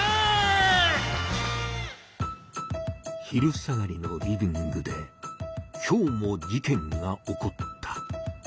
昼下がりのリビングで今日も事件が起こった。